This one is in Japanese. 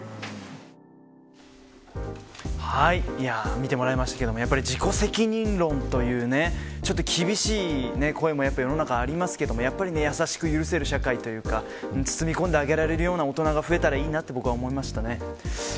見てもらいましたけど自己責任論という厳しい声も世の中ありますけどやさしく許せる社会というか包み込んであげられるような大人が増えたらいいなと思いました。